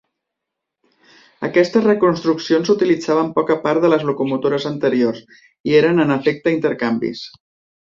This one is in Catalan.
Aquestes reconstruccions utilitzaven poca part de les locomotores anteriors i eren en efecte intercanvis.